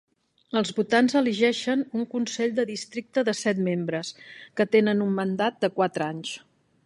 Els votants elegeixen un consell de districte de set membres que tenen un mandat de quatre anys.